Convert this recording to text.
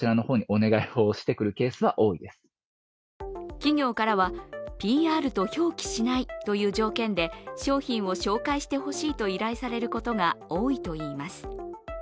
企業からは、ＰＲと表記しないという条件で商品を紹介してほしいと依頼されることが多いと言います。